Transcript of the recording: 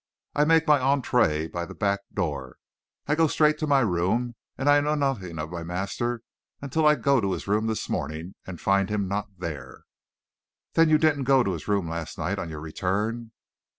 I make my entree by the back door; I go straight to my room, and I know nothing of my master until I go to his room this morning and find him not there." "Then you didn't go to his room last night on your return?"